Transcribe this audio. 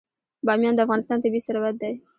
بامیان د افغانستان طبعي ثروت دی.